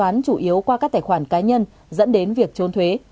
thanh toán chủ yếu qua các tài khoản cá nhân dẫn đến việc trôn thuế